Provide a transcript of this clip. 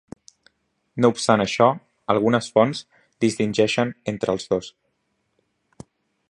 No obstant això, algunes fonts distingeixen entre els dos.